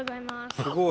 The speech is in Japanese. すごい。